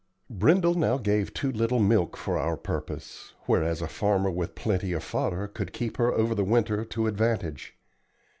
Brindle now gave too little milk for our purpose, whereas a farmer with plenty of fodder could keep her over the winter to advantage.